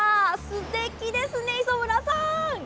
すてきですね、磯村さん。